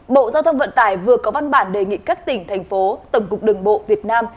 bộ giao thông vận tải vừa có văn bản đề nghị các tỉnh thành phố tổng cục đường bộ việt nam